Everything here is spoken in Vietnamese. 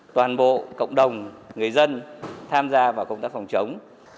toàn bộ cộng đồng người dân tham gia vào công tác phòng chống